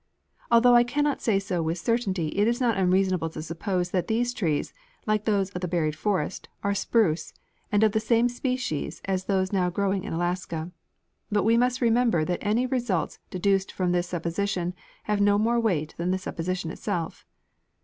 Although I cannot say so with certainty, it is not unreasonable to suppose that these trees, like those of the buried forest, are spruce, and of the same species as those now growing in Alaska ; but we must remember that any results deduced from this sup position have no more weight than the supposition itself.